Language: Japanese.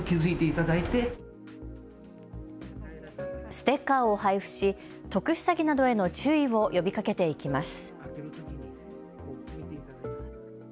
ステッカーを配布し特殊詐欺などへの注意を呼びかけていきます。